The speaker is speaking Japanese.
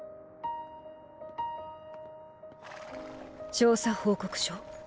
調査報告書。